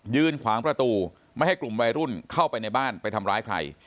ขวางประตูไม่ให้กลุ่มวัยรุ่นเข้าไปในบ้านไปทำร้ายใคร